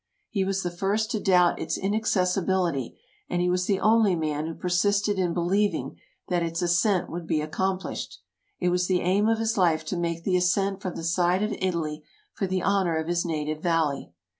He was the first to doubt its inaccessi bility, and he was the only man who persisted in believing that its ascent would be accomplished. It was the aim of his life to make the ascent from the side of Italy for the honor of his native valley.